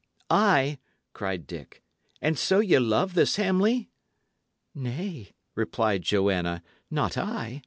"Ay!" cried Dick, "and so ye loved this Hamley!" "Nay," replied Joanna, "not I.